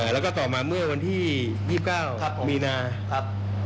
แล้วก็ต่อมาเมื่อวันที่๒๙มีนาครับ